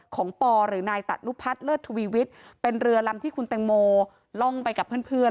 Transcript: ปอหรือนายตัดนุพัฒน์เลิศทวีวิทย์เป็นเรือลำที่คุณแตงโมล่องไปกับเพื่อน